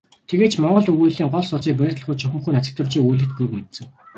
Тэгээд ч монгол өгүүллэгийн гол судсыг барих түлхүүр чухамхүү Нацагдоржийн өгүүллэгт буйг мэдсэн.